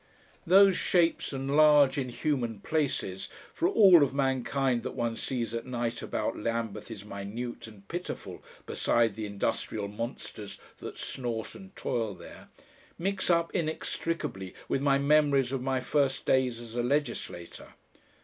Those shapes and large inhuman places for all of mankind that one sees at night about Lambeth is minute and pitiful beside the industrial monsters that snort and toil there mix up inextricably with my memories of my first days as a legislator.